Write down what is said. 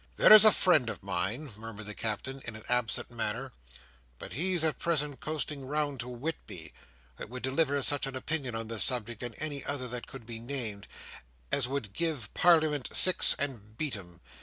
"There's a friend of mine," murmured the Captain, in an absent manner, "but he's at present coasting round to Whitby, that would deliver such an opinion on this subject, or any other that could be named, as would give Parliament six and beat 'em.